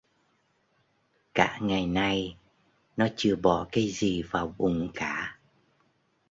Cả ngày nay nó chưa bỏ cái gì vào bụng cả